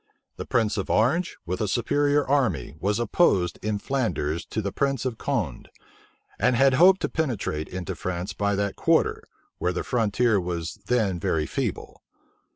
The prince of Orange, with a superior army, was opposed in Flanders to the prince of Condé, and had hoped to penetrate into France by that quarter, where the frontier was then very feeble.